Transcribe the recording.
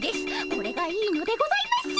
これがいいのでございます！